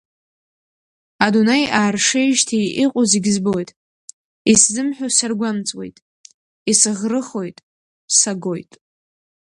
Адунеи ааршеижьҭеи иҟоу зегь збоит, исзымҳәо саргәамҵуеит, исыӷрыхоит, сагоит…